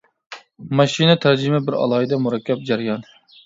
ماشىنا تەرجىمە بىر ئالاھىدە مۇرەككەپ جەريان.